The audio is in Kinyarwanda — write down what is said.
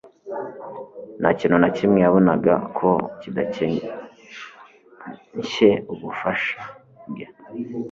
Nta kintu na kimwe yabonaga ko kidakencye ubufasha bwe.